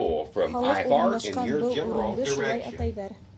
Халыҡ урынлашҡан был урынды шулай атайҙар.